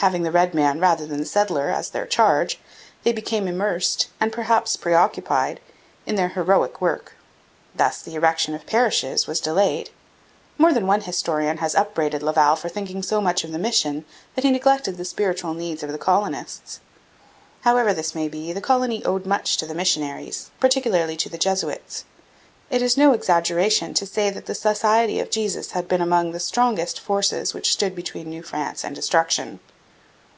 Having the red man rather than the settler as their charge, they became immersed, and perhaps preoccupied, in their heroic work. Thus the erection of parishes was delayed. More than one historian has upbraided Laval for thinking so much of the mission that he neglected the spiritual needs of the colonists. However this may be, the colony owed much to the missionaries particularly to the Jesuits. It is no exaggeration to say that the Society of Jesus had been among the strongest forces which stood between New France and destruction.